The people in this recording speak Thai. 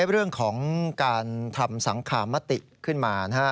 เรื่องของการทำสังคมติขึ้นมา